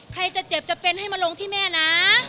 ใครจะเจ็บจะเป็นให้มาลงที่แม่นะ